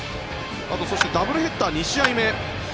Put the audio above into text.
そして、ダブルヘッダー２試合目。